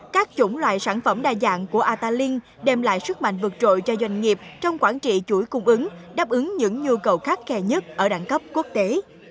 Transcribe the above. các chủng loại sản phẩm đa dạng của atalin đem lại sức mạnh vượt trội cho doanh nghiệp trong quản trị chuỗi cung ứng đáp ứng những nhu cầu khắc khe nhất ở đẳng cấp quốc tế